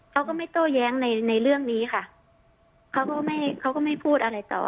เขาก็ไม่โตแย้งในเรื่องนี้ค่ะเขาก็ไม่พูดอะไรต่อ